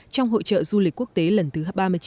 trong hội trợ du lịch quốc tế lần thứ ba mươi chín